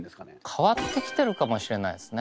変わってきてるかもしれないですね。